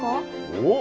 おっ？